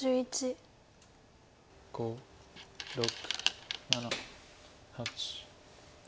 ５６７８。